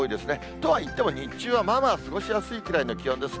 とはいっても日中はまあまあ過ごしやすいくらいの気温です。